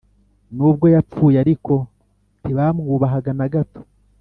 Nubwo yapfuye ariko ntibamwubahaga na gato